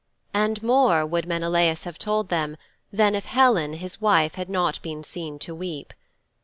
And more would Menelaus have told them then if Helen, his wife, had not been seen to weep.